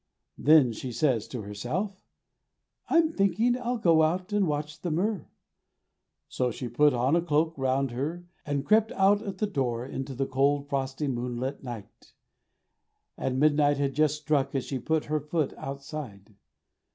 Then she says to herself: 'I'm thinking I'll go out an' watch the myrrh.' So she put a cloak round her and crept out at the door into the cold frosty moonlit night, and midnight had just struck as she put her foot outside.